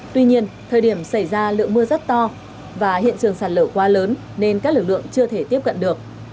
tuy nhiên thời điểm xảy ra lượng mưa rất to và hiện trường sạt lở quá lớn nên các lực lượng chưa thể tiếp cận được